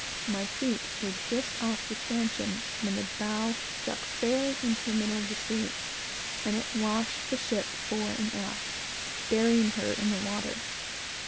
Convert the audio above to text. My feet were just off the stanchion, when she struck fairly into the middle of the sea, and it washed her fore and aft, burying her in the water.